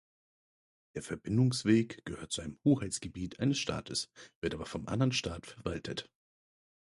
Der Verbindungsweg gehört zum Hoheitsgebiet eines Staates, wird aber vom anderen Staat verwaltet.